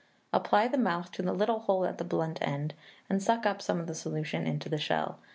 Apply the mouth to the little hole at the blunt end, and suck up some of the solution into the shell.